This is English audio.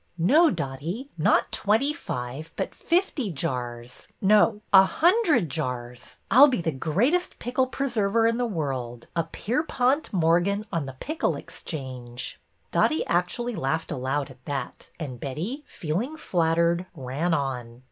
No, Dotty, not twenty five, but fifty jars, — no, a hundred jars! I 'll be the greatest pickle preserver in the world, a Pierpont Morgan on the Pickle Exchange !" Dotty actually laughed aloud at that, and Betty, feeling flattered, ran on.